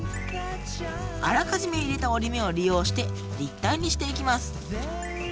あらかじめ入れた折り目を利用して立体にしていきます。